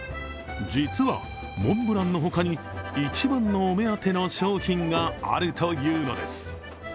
実はモンブランの他に一番のお目当ての商品があるというのです。